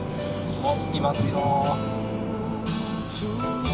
もう着きますよ。